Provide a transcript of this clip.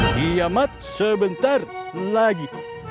diamat sebentar lagi